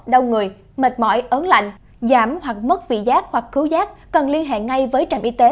đông người mệt mỏi ớn lạnh giảm hoặc mất vị giác hoặc cứu giác cần liên hệ ngay với trạm y tế